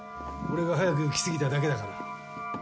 俺が早く来すぎただけだから。